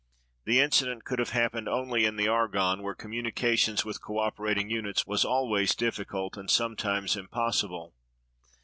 The incident could have happened only in the Argonne, where communication with co operating units was always difficult, and sometimes impossible.